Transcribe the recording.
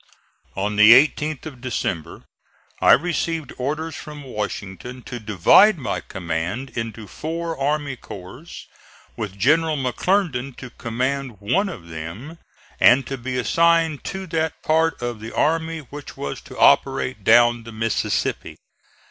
On the 18th of December I received orders from Washington to divide my command into four army corps, with General McClernand to command one of them and to be assigned to that part of the army which was to operate down the Mississippi.